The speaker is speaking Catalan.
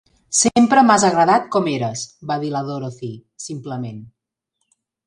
"Sempre m'has agradat com eres", va dir la Dorothy, simplement.